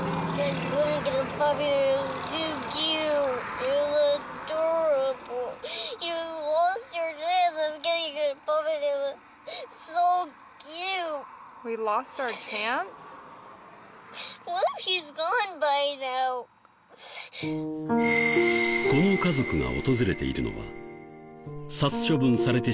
この家族が訪れているのは。